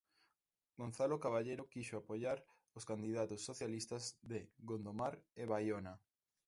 Gonzalo Caballero quixo apoiar os candidatos socialistas de Gondomar e Baiona.